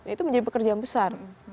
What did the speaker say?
itu menjadi pekerjaan besar